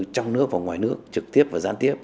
trong nước và ngoài nước trực tiếp và gián tiếp